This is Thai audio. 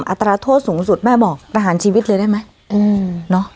อัตราโทษสูงสุดแม่บอกประหารชีวิตเลยได้ไหม